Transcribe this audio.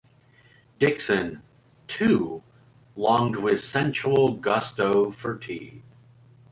Dickson, too, longed with sensual gusto for tea.